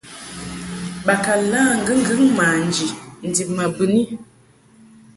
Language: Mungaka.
Ba kɨ la ŋgɨŋgɨŋ manji ndib ma bɨni.